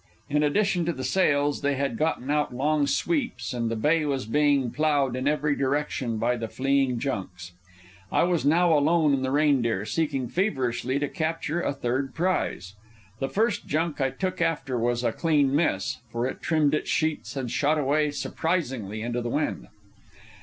In addition to the sails they had gotten out long sweeps, and the bay was being ploughed in every direction by the fleeing junks. I was now alone in the Reindeer, seeking feverishly to capture a third prize. The first junk I took after was a clean miss, for it trimmed its sheets and shot away surprisingly into the wind.